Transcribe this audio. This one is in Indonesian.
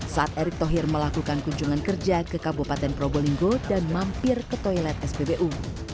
saat erick thohir melakukan kunjungan kerja ke kabupaten probolinggo dan mampir ke toilet spbu